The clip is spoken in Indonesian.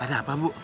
ada apa bu